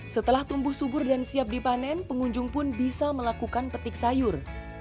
setelah tumbuh subur dan siap dipanen pengunjung pun bisa melakukan petik sayur